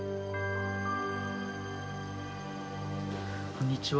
こんにちは。